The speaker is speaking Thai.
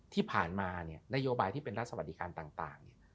ที่ผ่านมานโยบายที่เป็นรัฐสวัสดิการต่าง